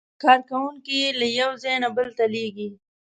کارکوونکي یې له یو ځای نه بل ته لېږي.